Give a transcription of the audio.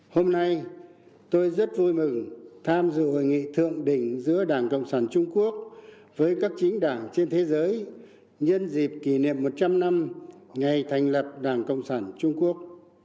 hôm nay tôi rất vui mừng tham dự hội nghị thượng đỉnh giữa đảng cộng sản trung quốc với các chính đảng trên thế giới nhân dịp kỷ niệm một trăm linh năm ngày thành lập đảng cộng sản trung quốc